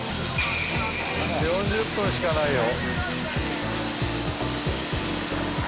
４０分しかないよ。